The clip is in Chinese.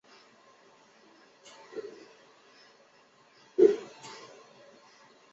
尼基福罗沃市镇是俄罗斯联邦沃洛格达州乌斯秋日纳区所属的一个市镇。